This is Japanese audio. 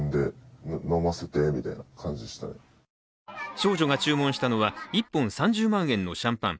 少女が注文したのは１本３０万円のシャンパン。